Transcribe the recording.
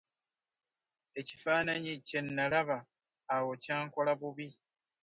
Ekifaananyi kye nalaba awo kyankola bubi.